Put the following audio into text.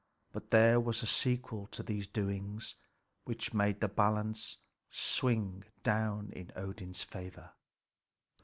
But there was a sequel to these doings which made the balance swing down in Odin's favor.